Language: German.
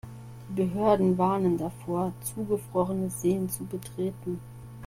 Die Behörden warnen davor, zugefrorene Seen zu betreten.